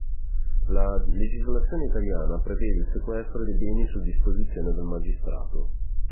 La legislazione italiana prevede il sequestro dei beni su disposizione del magistrato.